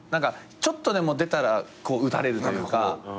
ちょっとでも出たら打たれるというか。